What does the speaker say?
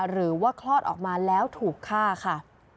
หรือว่าคลอดออกมาแล้วถูกฆ่าค่ะ